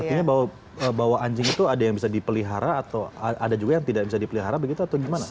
artinya bahwa anjing itu ada yang bisa dipelihara atau ada juga yang tidak bisa dipelihara begitu atau gimana